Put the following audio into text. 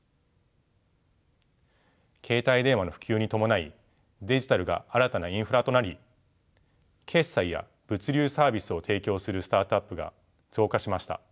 携帯電話の普及に伴いデジタルが新たなインフラとなり決済や物流サービスを提供するスタートアップが増加しました。